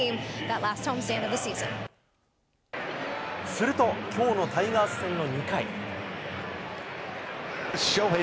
すると、きょうのタイガース戦の２回。